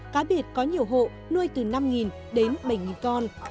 cá biệt có nhiều hộ nuôi từ năm đến bảy con